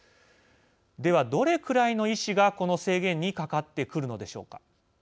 では、どれくらいの医師がこの制限にかかってくるのでしょうか。